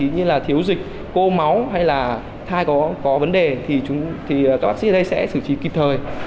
như là thiếu dịch cô máu hay là thai có vấn đề thì các bác sĩ ở đây sẽ xử trí kịp thời